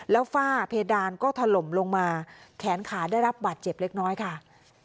แล้วฝ้าเพดานก็ถล่มลงมาแขนขาได้รับบาดเจ็บเล็กน้อยค่ะ